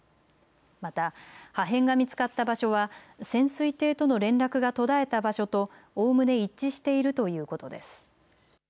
また破片が見つかった場所は潜水艇との連絡が途絶えた場所とおおむね一致しているということです。